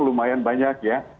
lumayan banyak ya